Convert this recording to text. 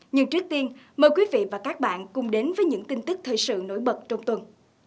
nhưng trước tiên mời quý vị và các bạn cùng đến với những tin tức thời sự nổi bật trong tuần